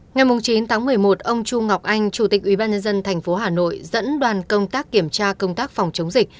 ngày chín một mươi một ông chu ngọc anh chủ tịch ủy ban nhân dân thành phố hà nội dẫn đoàn công tác kiểm tra công tác phòng chống dịch